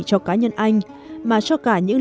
cho cá nhân anh mà cho cả những